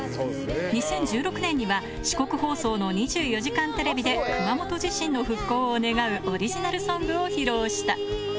２０１６年には四国放送の『２４時間テレビ』で熊本地震の復興を願うオリジナルソングを披露した